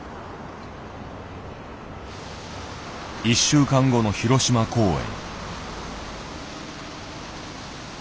１週間後の広島公演。